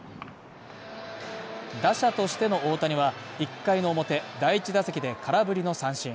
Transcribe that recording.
打者としての大谷は１回の表、第１打席で空振りの三振。